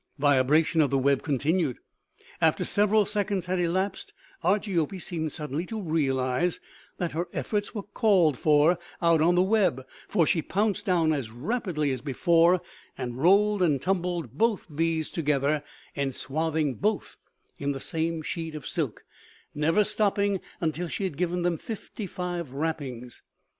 "Vibration of the web continued. After several seconds had elapsed, Argiope seemed suddenly to realize that her efforts were called for out on the web, for she pounced down as rapidly as before and rolled and tumbled both bees together, enswathing both in the same sheet of silk, never stopping until she had given them fifty five wrappings.